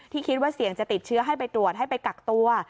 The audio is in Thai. คิดว่าเสี่ยงจะติดเชื้อให้ไปตรวจให้ไปกักตัว